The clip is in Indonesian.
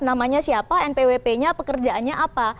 namanya siapa npwp nya pekerjaannya apa